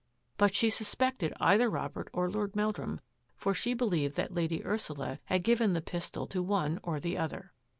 But she suspected either Robert or Lord Meldrum, for she believed that Lady Ursula had given the pistol to one or the other.